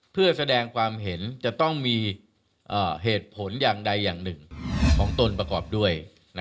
เพื่อแสดงความเห็นจะต้องมีเหตุผลอย่างใดอย่างหนึ่งของตนประกอบด้วย